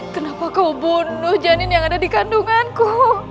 kenapa kau bunuh janin yang ada di kandunganku